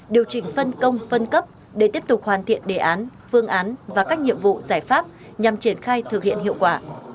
điều chỉnh phân công phân cấp để tiếp tục hoàn thiện đề án phương án và các nhiệm vụ giải pháp nhằm triển khai thực hiện hiệu quả